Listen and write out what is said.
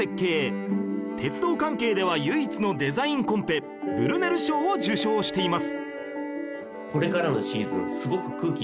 鉄道関係では唯一のデザインコンペブルネル賞を受賞しています